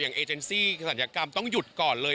เอเจนซี่ศัลยกรรมต้องหยุดก่อนเลย